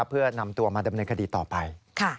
เพื่อนำตัวมาดำเนินคดีต่อไป